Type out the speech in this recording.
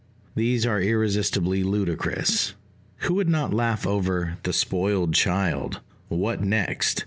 These are irresistibly ludicrous (who would not laugh over "The Spoiled Child" "What next?